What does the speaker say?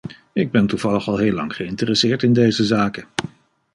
Ik ben toevallig al heel lang geïnteresseerd in deze zaken.